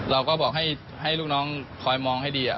เราก็บอกให้ลูกน้องคอยมองให้ดี